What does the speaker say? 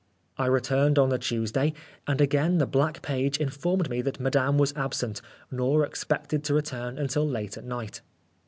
I returned on the Tuesday, and again the black page informed me that Madame was absent, nor expected to return until late at night.